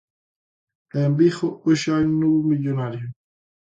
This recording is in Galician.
E en Vigo hoxe hai un novo millonario.